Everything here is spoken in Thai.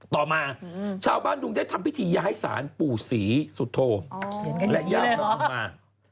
ต่อมาชาวบ้านดุงได้ทำพิธีย้ายศาลปู่ศรีสุโธและย่าประมา